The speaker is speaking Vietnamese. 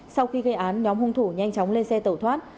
sau khi gây án nhóm hung thủ nhanh chóng lên xe tẩu thoát